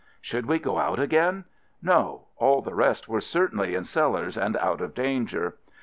Should we go out again? No; all the rest were certainly in cellars and out of danger.